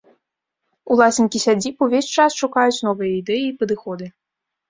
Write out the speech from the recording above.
Уласнікі сядзіб увесь час шукаюць новыя ідэі і падыходы.